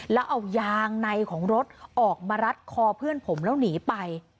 แล้วเอายางในของรถออกมารัดคอเพื่อนผมแล้วหนีไป